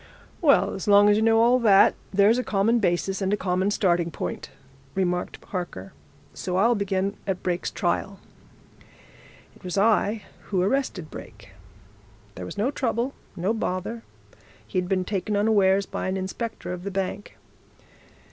"Well, as long as you know all that, there's a common basis and a common starting point," remarked Harker, "so I'll begin at Brake's trial. It was I who arrested Brake. There was no trouble, no bother. He'd been taken unawares, by an inspector of the bank.